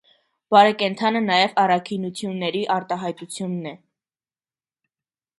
Բարեկենդանը նաեւ առաքինութիւններու արտայայտութիւն է։